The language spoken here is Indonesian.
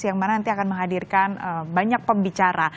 yang mana nanti akan menghadirkan banyak pembicara